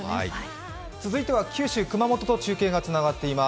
続いては九州熊本と中継がつながっています。